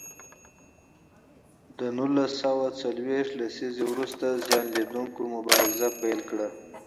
له نولس سوه څلویښت لسیزې وروسته زیان ولیدوونکو مبارزه پیل کړه.